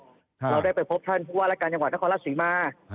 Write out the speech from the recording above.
เราได้ไปพบท่านผู้ว่ารายการจังหวัดนครราชศรีมา